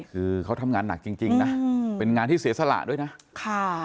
คือเขาทำงานหนักจริงนะเป็นงานที่เสียสละด้วยนะค่ะ